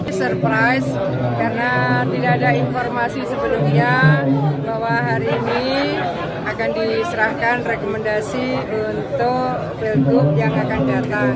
di surprise karena tidak ada informasi sebelumnya bahwa hari ini akan diserahkan rekomendasi untuk pilgub yang akan datang